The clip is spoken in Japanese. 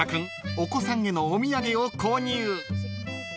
お子さんへのお土産を購入］